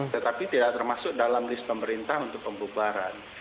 tetapi tidak termasuk dalam list pemerintah untuk pembubaran